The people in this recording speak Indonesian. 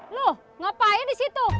lo ngapain disitu